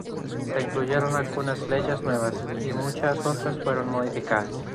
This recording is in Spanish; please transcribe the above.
Se incluyeron algunas leyes nuevas, y muchas otras fueron modificadas.